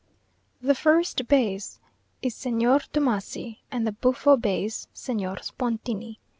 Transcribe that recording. The first bass is Signor Tomassi, and the buffo bass Signor Spontini.